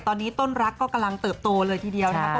ตอนนี้ต้นรักก็กำลังเติบโตเลยทีเดียวนะครับ